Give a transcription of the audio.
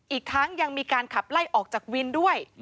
อีกทั้งยังมีการขับไล่ออกจากวินด้วย